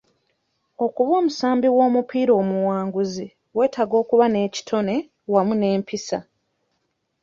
Okuba omusambi w'omupiira omuwanguzi, weetaaga okuba n'ekitone wamu n'empisa.